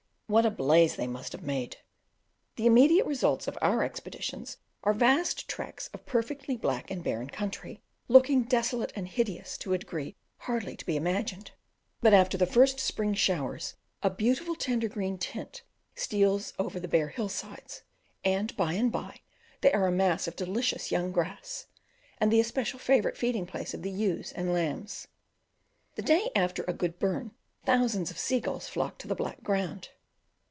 What a blaze they must have made! The immediate results of our expeditions are vast tracts of perfectly black and barren country, looking desolate and hideous to a degree hardly to be imagined; but after the first spring showers a beautiful tender green tint steals over the bare hill sides, and by and by they are a mass of delicious young grass, and the especial favourite feeding place of the ewes and lambs. The day after a good burn thousands of sea gulls flock to the black ground.